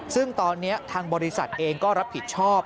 ซึ่งตอนนี้ทางบริษัทเองก็รับผิดชอบ